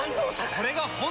これが本当の。